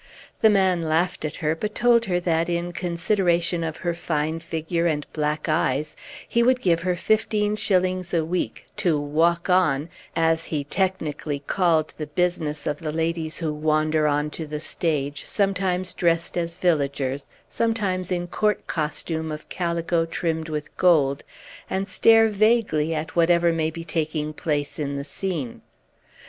The man laughed at her, but told her that, in consideration of her fine figure and black eyes, he would give her fifteen shillings a week to "walk on," as he technically called the business of the ladies who wander on to the stage, sometimes dressed as villagers, sometimes in court costume of calico trimmed with gold, and stare vaguely at whatever may be taking place in the scene.